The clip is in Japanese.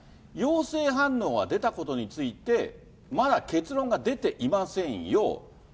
陽性反応が出たことについて、まだ結論が出ていませんよ。